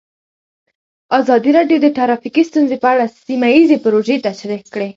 ازادي راډیو د ټرافیکي ستونزې په اړه سیمه ییزې پروژې تشریح کړې.